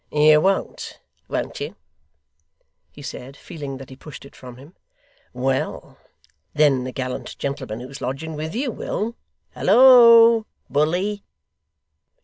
'You won't, won't you?' he said, feeling that he pushed it from him. 'Well! Then the gallant gentleman who's lodging with you, will. Hallo, bully!